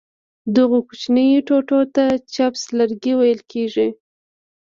دغو کوچنیو ټوټو ته چپس لرګي ویل کېږي.